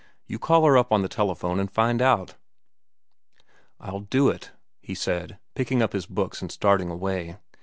"You call her up on the telephone and find out." "I'll do it," he said, picking up his books and starting away.